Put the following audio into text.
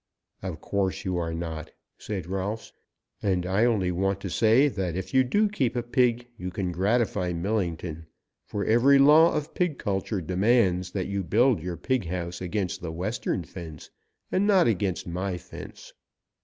"Of course you are not," said Rolfs, "and I only want to say that if you do keep a pig you can gratify Millington, for every law of pig culture demands that you build your pig house against the western fence, and not against my fence.